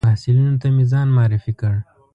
محصلینو ته مې ځان معرفي کړ.